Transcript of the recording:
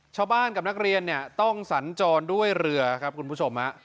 ชาวบ้านกับนักเรียนเนี่ยต้องสัญจรด้วยเรือครับคุณผู้ชมฮะ